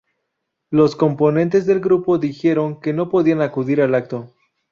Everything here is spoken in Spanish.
Los componentes del grupo dijeron que no podía acudir al acto.